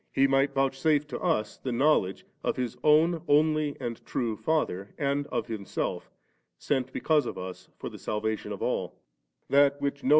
He might vouchsafe to us the know ledge of His own only and true Father, and of Himself, sent because of us for the salvation of ally than which no grace could be greater 4 John vi.